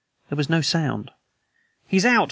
There was no sound. "He's out!"